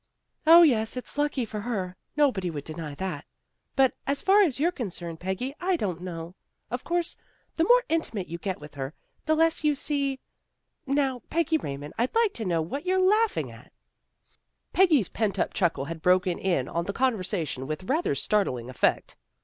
" O, yes, it's lucky for her. Nobody would deny that. But as far as you're concerned, Peggy, I don't know. Of course the more in timate you get with her, the less you see 118 AT HOME WITH THE DUNNS 119 Now, Peggy Raymond, I'd like to know what you're laughing at." Peggy's pent up chuckle had broken in on the conversation with rather startling effect.